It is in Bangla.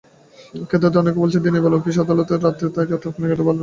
ক্রেতাদের অনেকেই বলেছেন, দিনের বেলা অফিস-আদালত থাকে, তাই রাতই কেনাকাটার জন্য ভালো।